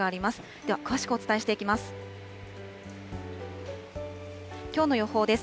では詳しくお伝えしていきます。